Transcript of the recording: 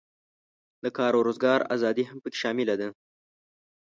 د کار او روزګار آزادي هم پکې شامله ده.